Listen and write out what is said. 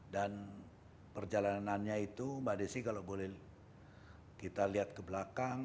dan perjalanannya itu mbak desy kalau boleh kita lihat ke belakang